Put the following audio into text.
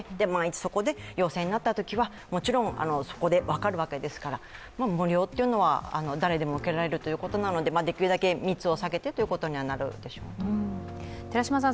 そこで陽性になったときは、そこで分かるわけですから、無料というのは誰でも受けられるということなので、できるだけ密を避けてということにはなるでしょうね。